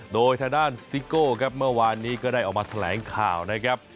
โดยทางด้านซิโก้ครับเมื่อวานนี้ก็ได้ออกมาแถลงข่าวนะครับ